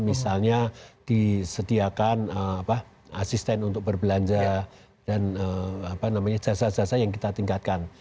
misalnya disediakan asisten untuk berbelanja dan jasa jasa yang kita tingkatkan